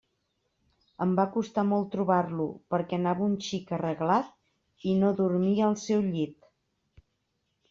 Em va costar molt trobar-lo perquè anava un xic arreglat i no dormia al seu llit.